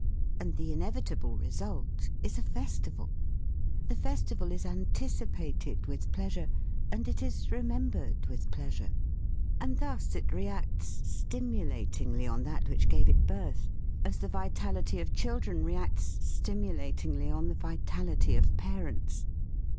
And the inevitable result is a fes tival. The festival is anticipated with pleasure, and it is remembered with pleasure. And thus it reacts stimula tingly on that which gave it birth, as the vitality of children reacts stimulatingly on the vitality of parents.